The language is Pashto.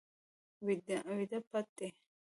ویده پټ دی